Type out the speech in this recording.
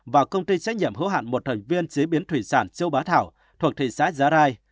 và công ty trách nhiệm hữu hạn một thành viên chế biến thủy sản châu bá thảo thuộc thị xã giá rai